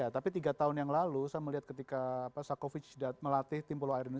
tapi tiga tahun yang lalu saya melihat ketika sakovic melatih tim pulau air indonesia